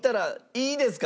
いいですか？